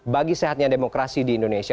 bagi sehatnya demokrasi di indonesia